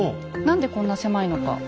何でこんな狭いのか。